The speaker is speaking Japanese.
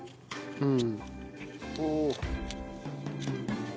うん。